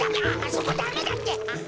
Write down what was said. そこダメだってアハ。